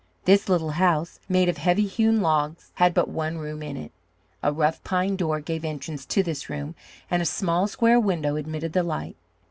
This little house, made of heavy hewn logs, had but one room in it. A rough pine door gave entrance to this room, and a small square window admitted the light.